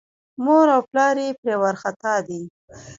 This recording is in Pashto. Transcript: مور او پلار یې پرې وارخطا دي.